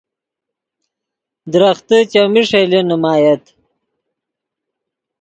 درختے چیمی ݰئیلے نیمایت